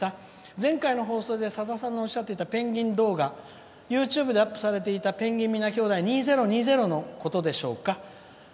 前回の放送で、さださんがおっしゃっていたペンギン動画、ＹｏｕＴｕｂｅでアップされていた「ペンギン皆きょうだい２０２０」のことでしょうか」。